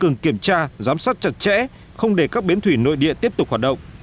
giám sát chặt chẽ không để các biến thủy nơi địa tiếp tục hoạt động